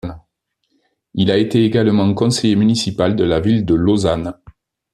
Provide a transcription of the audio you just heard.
Il a été également conseiller municipal de la ville de Lausanne.